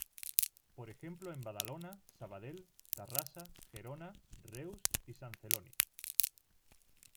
Por ejemplo en Badalona, Sabadell, Tarrasa, Gerona, Reus y San Celoni.